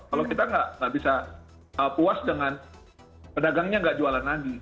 kalau kita nggak bisa puas dengan pedagangnya nggak jualan lagi